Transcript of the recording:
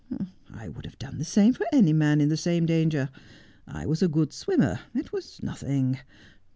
' I would have done the same for any man in the same danger. I was a good swimmer — it was nothing.